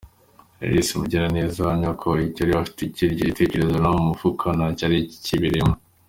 Regis Mugiraneza uhamya ko icyo bari bafite cyari igitekerezo naho mu mufuka ntacyari cyibereyemo.